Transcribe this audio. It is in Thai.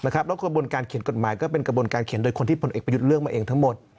แล้วกระบวนการเขียนกฎหมายก็เป็นกระบวนการเขียนโดยคนที่พลเอกประยุทธ์เลือกมาเองทั้งหมด